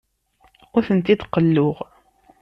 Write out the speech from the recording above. Ur tent-id-qelluɣ.